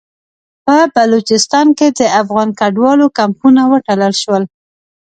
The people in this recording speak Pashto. په بلوچستان کې د افغان کډوالو کمپونه وتړل شول.